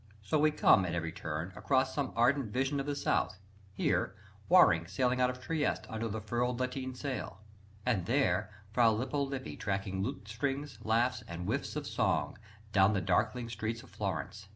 So we come, at every turn, across some ardent vision of the South, here, Waring sailing out of Trieste under the furled lateen sail; and there, Fra Lippo Lippi tracking "lutestrings, laughs, and whifts of song" down the darkling streets of Florence.